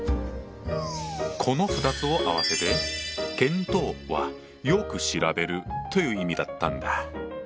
この２つを合わせて「検討」は「よく調べる」という意味だったんだ。